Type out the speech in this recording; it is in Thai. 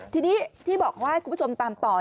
ทีนี้ที่บอกว่าให้คุณผู้ชมตามต่อ